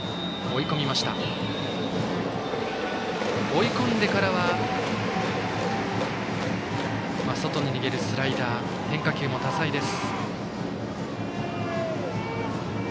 追い込んでからは外に逃げるスライダー変化球も多彩です。